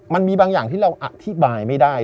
มันมีบางอย่างที่เราอธิบายไม่ได้